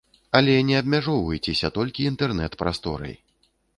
Але не абмяжоўвайцеся толькі інтэрнэт-прасторай.